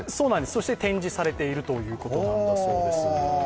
そして展示されているということなんだそうです。